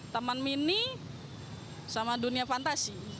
taman mini sama dunia fantasi